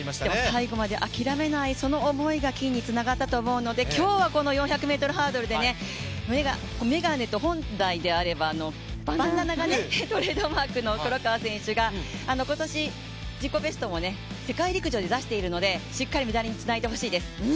最後まで諦めないその思いが金につながったと思うので今日は４００ｍハードルで眼鏡と本来であればバンダナがトレードマークである黒川選手が今年、自己ベストも世界陸上で出しているのでしっかりメダルにつないでほしいです。